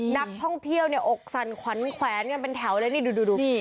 นักท่องเที่ยวเนี่ยอกสั่นขวัญแขวนกันเป็นแถวเลยนี่ดู